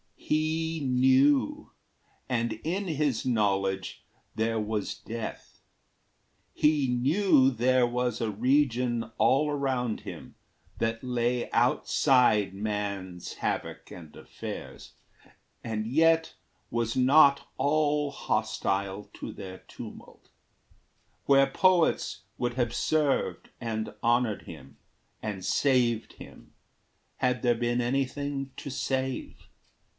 "He knew, and in his knowledge there was death. He knew there was a region all around him That lay outside man's havoc and affairs, And yet was not all hostile to their tumult, Where poets would have served and honored him, And saved him, had there been anything to save.